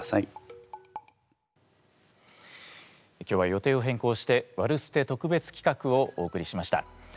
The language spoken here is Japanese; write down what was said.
今日は予定を変更して「ワルステ」特別企画をお送りしました。